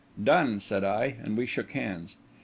"Done!" said I; and we shook hands.